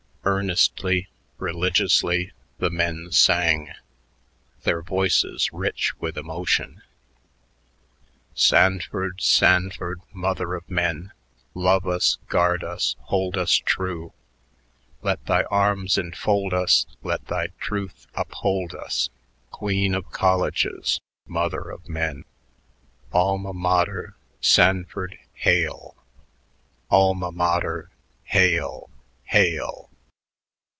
Earnestly, religiously, the men sang, their voices rich with emotion: "Sanford, Sanford, mother of men, Love us, guard us, hold us true. Let thy arms enfold us; Let thy truth uphold us. Queen of colleges, mother of men Alma mater Sanford hail! Alma mater Hail! Hail!"